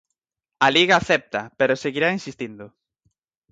A Liga acepta, pero seguirá insistindo.